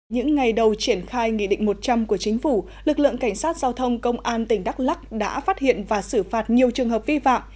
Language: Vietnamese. những ngày đầu triển khai nghị định một trăm linh của chính phủ lực lượng cảnh sát giao thông công an tỉnh đắk lắc đã phát hiện và xử phạt nhiều trường hợp vi phạm